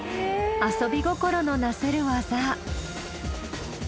遊び心のなせる技。